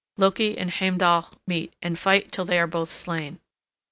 Loki and Heimdall meet and fight till they are both slain.